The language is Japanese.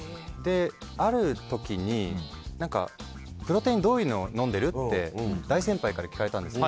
ある時に、プロテインどういうのを飲んでる？って大先輩から聞かれたんですよ。